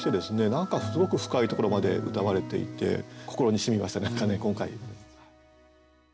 何かすごく深いところまでうたわれていて心にしみました何かね今回。